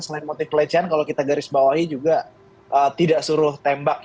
selain motif pelecehan kalau kita garis bawahi juga tidak suruh tembak